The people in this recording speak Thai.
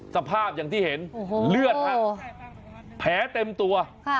สภาพอย่างที่เห็นเลือดฮะแผลเต็มตัว